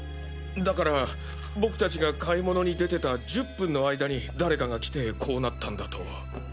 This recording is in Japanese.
だから僕達が買い物に出てた１０分の間に誰かが来てこうなったんだと。